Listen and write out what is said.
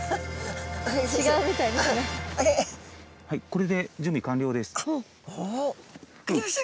はい。